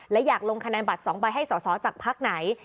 และอยากลงคะแนนบัตร๒ใบให้สอสอจากพักไหน